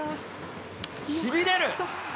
しびれる。